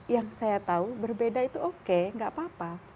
yang saya tahu berbeda itu oke nggak apa apa